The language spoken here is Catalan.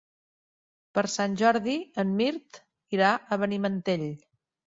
Per Sant Jordi en Mirt irà a Benimantell.